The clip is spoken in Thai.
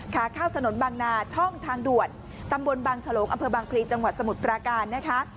ขาเข้าถนนบางนาช่องทางด่วนตำบลบางฉลงอำเภอบางพลีจังหวัดสมุทรปราการนะคะ